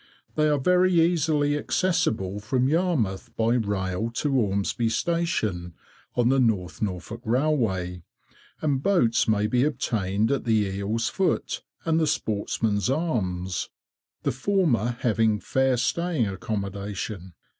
They are very easily accessible from Yarmouth by rail to Ormesby station, on the North Norfolk Railway, and boats may be obtained at the Eel's Foot, and the Sportsman's Arms, the former having fair staying accommodation.